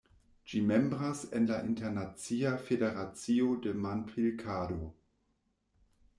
Ĝi membras en la Internacia Federacio de Manpilkado.